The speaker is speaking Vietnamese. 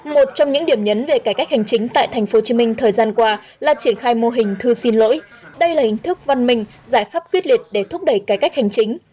một trong những điểm nhấn về cải cách hành chính tại tp hcm thời gian qua là triển khai mô hình thư xin lỗi đây là hình thức văn minh giải pháp quyết liệt để thúc đẩy cải cách hành chính